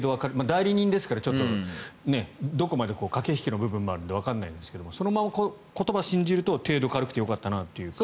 代理人ですからどこまで駆け引きの部分もあるのでわからないですがそのまま言葉を信じると程度が軽くてよかったなと。